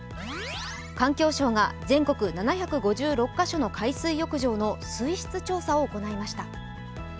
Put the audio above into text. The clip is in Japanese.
環境省が全国７５６カ所の海水浴場の水質調査を行いました。